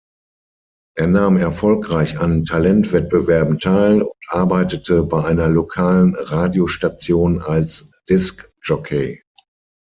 Er nahm erfolgreich an Talentwettbewerben teil und arbeitete bei einer lokalen Radiostation als Diskjockey.